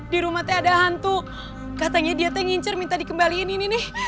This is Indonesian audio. di rumah teh ada hantu katanya dia teh ngincar minta dikembaliin ini nih